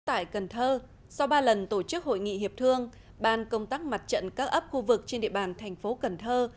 tại cần thơ sau ba lần tổ chức hội nghị hiệp thương ban công tác mặt trận các ấp khu vực trên địa bàn thành phố cần thơ